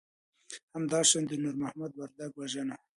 همدا شان د نور محمد وردک وژنه